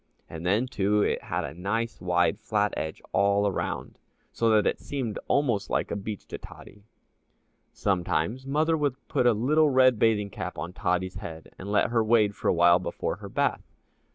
And then, too, it had a nice wide, flat edge all around, so that it seemed almost like a beach to Tottie. Sometimes Mother would put a little red bathing cap on Tottie's head and let her wade for a while before her bath.